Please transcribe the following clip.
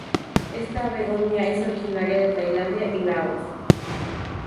Esta "begonia" es originaria de Tailandia y Laos.